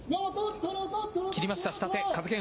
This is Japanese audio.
切りました、下手。